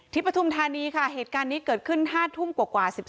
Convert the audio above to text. ปฐุมธานีค่ะเหตุการณ์นี้เกิดขึ้น๕ทุ่มกว่า๑๓